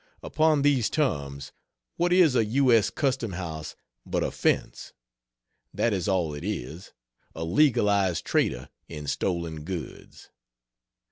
Upon these terms, what is a U. S. custom house but a "fence?" That is all it is: a legalized trader in stolen goods.